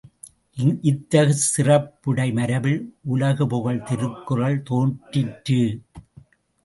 இத்தகு சிறப்புடை மரபில் உலகுபுகழ் திருக்குறள் தோன்றிற்று.